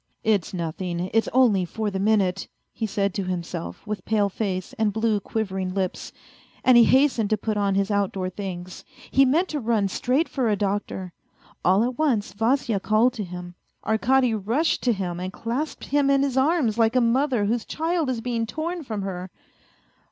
" It's nothing, it's only for the minute," he said to himself, with pale face and blue, quivering lips, and he hastened to put on his outdoor things. He meant to run straight for a doctor. All at once Vasya called to him. Arkady rushed to him and clasped him in his arms like a mother whose child is being torn from her.